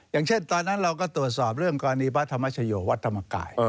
อย่างเช่นตอนนั้นเราก็ตรวจสอบเรื่องกรณีพระธรรมชโยวัดธรรมกาย